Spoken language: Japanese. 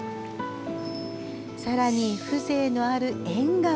さらに、風情のある縁側。